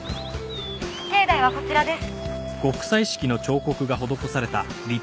境内はこちらです。